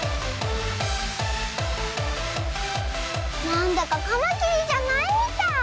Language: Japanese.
なんだかカマキリじゃないみたい。